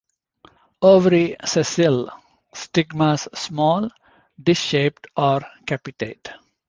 Ovary sessile; stigmas small, dish-shaped or capitate.